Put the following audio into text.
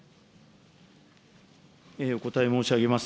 お答え申し上げます。